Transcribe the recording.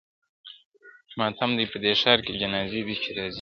ماتم دی په دې ښار کي جنازې دي چي راځي،